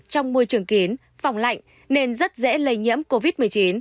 trong môi trường kín phòng lạnh nên rất dễ lây nhiễm covid một mươi chín